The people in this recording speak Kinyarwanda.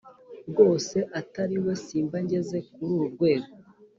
rwose atariwe simba ngeze kururu rwego